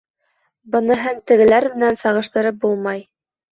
Быныһын тегеләр менән сағыштырып булмай